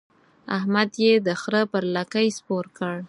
احمد يې د خره پر لکۍ سپور کړ.